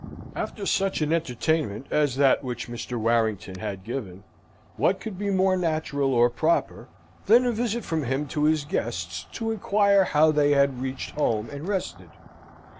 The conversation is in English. After such an entertainment as that which Mr. Warrington had given, what could be more natural or proper than a visit from him to his guests, to inquire how they had reached home and rested?